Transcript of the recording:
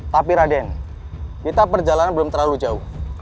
tapi raden kita perjalanan belum terlalu jauh